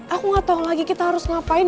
aku gak tau lagi kita harus ngapain